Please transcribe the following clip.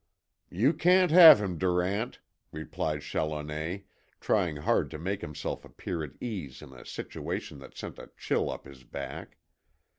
"You can't have him, Durant," replied Challoner, trying hard to make himself appear at ease in a situation that sent a chill up his back.